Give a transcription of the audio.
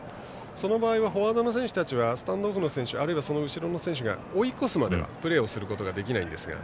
その場合フォワードの選手たちはスタンドオフの選手あるいは、その後ろの選手が追い越すまではプレーできないんですが。